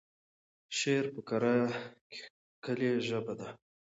شعر په کره کېښکلې ژبه لري.